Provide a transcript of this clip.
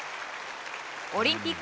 オリンピック